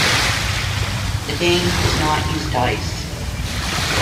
The game does not use dice.